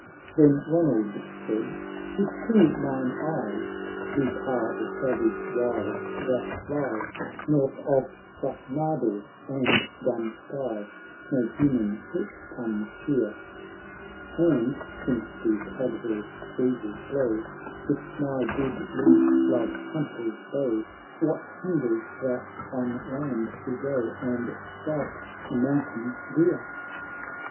Then Ronald said, —" If true mine eye, These are the savage wilds that lie North of Strathnardill and Dunskye ;h No human foot comes here, And, since these adverse breezes blow, If my good Liege love hunter's bow, "VYhat hinders that on land we go, And strike a mountain deer